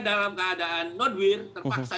dalam keadaan non wir terpaksa